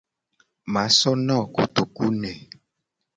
Ma so wo na wo kotoku ne.